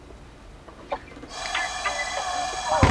দেখা করবে তো চলো আমার সঙ্গে।